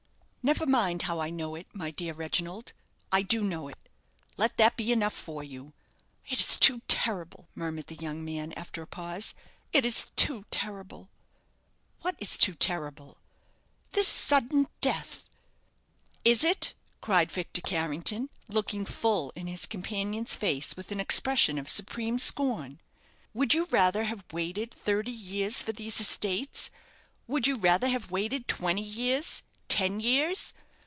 "Never mind how I know it, my dear Reginald. I do know it. Let that be enough for you." "It is too terrible," murmured the young man, after a pause; "it is too terrible." "What is too terrible?" "This sudden death." "Is it?" cried Victor Carrington, looking full in his companion's face, with an expression of supreme scorn. "Would you rather have waited thirty years for these estates? Would you rather have waited twenty years? ten years?